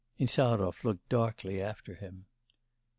Insarov looked darkly after him.